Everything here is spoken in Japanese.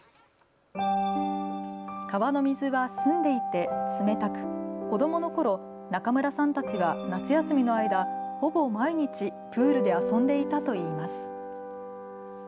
川の水は澄んでいて、冷たく、子どものころ、中村さんたちは夏休みの間、ほぼ毎日、プールで遊んでいたといいます。